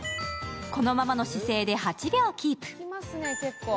このままの姿勢で８秒キープ。